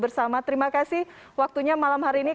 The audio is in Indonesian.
bersama terima kasih waktunya malam hari ini